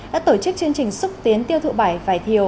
đã tổ chức chương trình xúc tiến tiêu thụ vải vải thiều